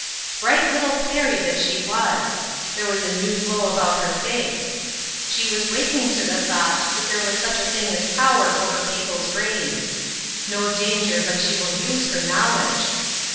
Bright little fairy that she was! There was a new glow about her face. She was waking to the thought that there was such a thing as power over people's brains. No danger but she will use her knowledge.